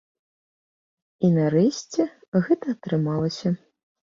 І нарэшце гэта атрымалася.